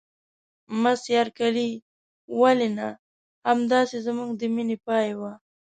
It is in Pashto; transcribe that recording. مس بارکلي: ولې نه؟ همدای زموږ د مینې پای و.